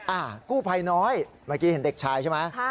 กู้ภัยน้อยเมื่อกี้เห็นเด็กชายใช่ไหม